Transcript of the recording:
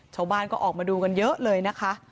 ชาวบ้านก็ออกมาดูกันเยอะเลยนะคะ